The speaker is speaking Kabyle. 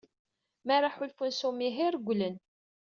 Mi ara ḥulfun s umihi, rewwlen.